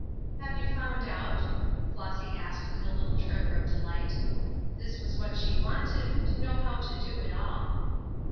"Have you found out?" Flossy asked in a little tremor of delight. This was what she wanted, to know how to do it all.